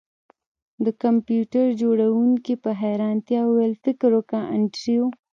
د کمپیوټر جوړونکي په حیرانتیا وویل فکر وکړه انډریو